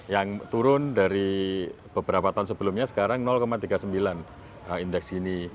yang turun dari beberapa tahun sebelumnya sekarang tiga puluh sembilan indeks ini